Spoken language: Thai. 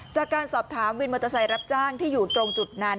จากการสอบถามวินมอเตอร์ไซค์รับจ้างที่อยู่ตรงจุดนั้น